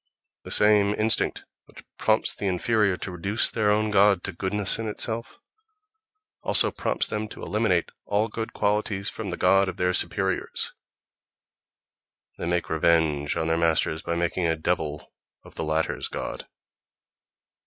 The same instinct which prompts the inferior to reduce their own god to "goodness in itself" also prompts them to eliminate all good qualities from the god of their superiors; they make revenge on their masters by making a devil of the latter's god.